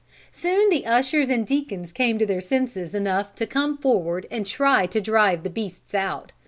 Soon the ushers and deacons came to their senses enough to come forward and try to drive the beasts out.